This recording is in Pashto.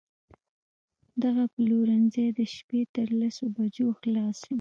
دغه پلورنځی د شپې تر لسو بجو خلاص وي